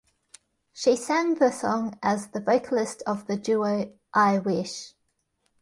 She sang the song as the vocalist of the duo I Wish.